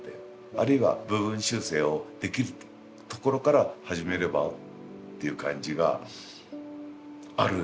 あるいは部分修正をできるところから始めればっていう感じがあるよね。